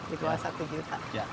di bawah satu juta